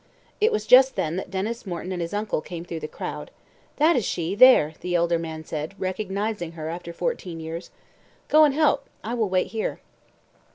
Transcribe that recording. It was just then that Denys Morton and his uncle came through the crowd. "That is she there," the elder man said, recognising her after fourteen years. "Go and help; I will wait here."